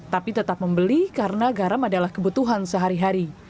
tapi tetap membeli karena garam adalah kebutuhan sehari hari